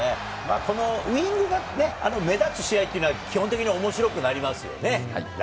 ウイングが目立つ試合は基本的に面白くなりますよね。